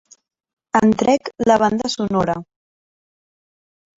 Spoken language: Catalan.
En trec la banda sonora.